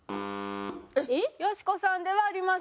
よしこさんではありません。